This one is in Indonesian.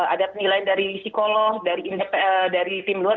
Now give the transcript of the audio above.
ada penilaian dari psikolog dari tim luar